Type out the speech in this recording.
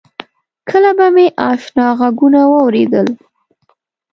کله به مې آشنا غږونه واورېدل.